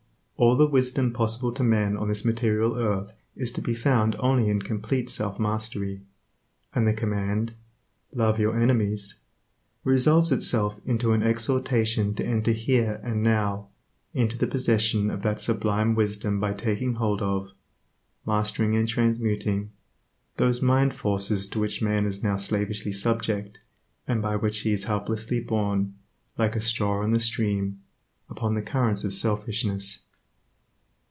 All the wisdom possible to man on this material earth is to be found only in complete self mastery, and the command, "Love your enemies," resolves itself into an exhortation to enter here and now, into the possession of that sublime wisdom by taking hold of, mastering and transmuting, those mind forces to which man is now slavishly subject, and by which he is helplessly borne, like a straw on the stream, upon the currents of selfishness.